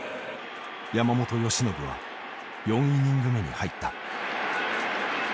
山本由伸は４イニング目に入った。